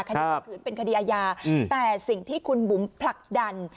ข่มขืนเป็นคดีอาญาแต่สิ่งที่คุณบุ๋มผลักดัน